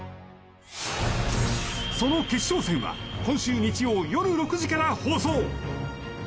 その決勝戦は今週日曜よる６時から放送！